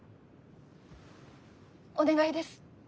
お願いです。